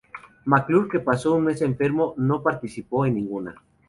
McClure, que pasó un mes enfermo, no participó en ninguna.